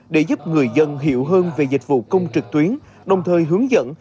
để giúp người dân hiểu hơn về dịch vụ công trực tuyến đồng thời hướng dẫn